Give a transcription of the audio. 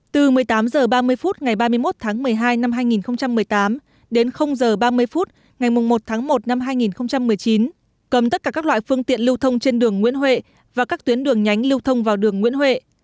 từ một mươi tám h ba mươi phút ngày ba mươi một tháng một mươi hai năm hai nghìn một mươi tám đến h ba mươi phút ngày một tháng một năm hai nghìn một mươi chín cấm tất cả các loại phương tiện lưu thông trên đường nguyễn huệ và các tuyến đường nhánh lưu thông vào đường nguyễn huệ